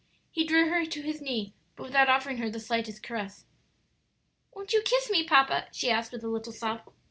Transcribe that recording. He drew her to his knee, but without offering her the slightest caress. "Won't you kiss me, papa?" she asked, with a little sob.